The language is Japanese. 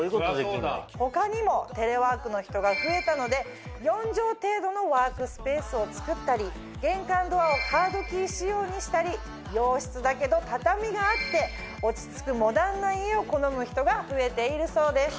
他にもテレワークの人が増えたので４畳程度のワークスペースをつくったり玄関ドアをカードキー仕様にしたり洋室だけど畳があって落ち着くモダンな家を好む人が増えているそうです。